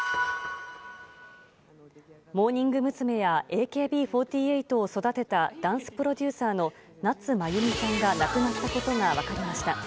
モーニング娘。やＡＫＢ４８を育てたダンスプロデューサーの夏まゆみさんが亡くなったことが分かりました。